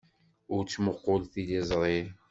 Ur ttmuqqul tiliẓri.